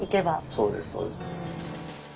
そうですそうです。